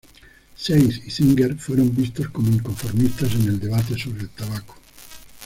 Seitz y Singer fueron vistos como inconformistas en el debate sobre el tabaco.